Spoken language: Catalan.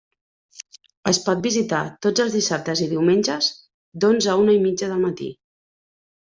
Es pot visitar tots els dissabtes i diumenges d'onze a una i mitja del matí.